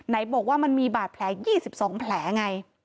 บอกว่ามันมีบาดแผล๒๒แผลไง